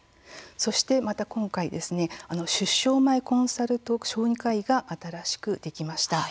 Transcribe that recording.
そして、また今回出生前コンサルト小児科医が新しくできました。